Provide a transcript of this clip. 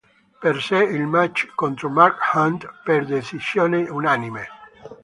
Perse il match contro Mark Hunt per decisione unanime.